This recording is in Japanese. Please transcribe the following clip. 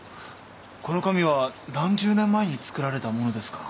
この紙は何十年前に作られたものですか？